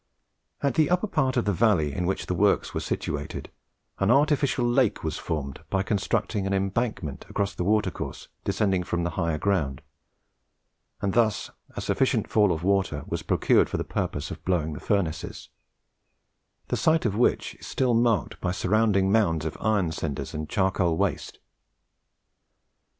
At the upper part of the valley in which the works were situated, an artificial lake was formed by constructing an embankment across the watercourse descending from the higher ground, and thus a sufficient fall of water was procured for the purpose of blowing the furnaces, the site of which is still marked by surrounding mounds of iron cinders and charcoal waste.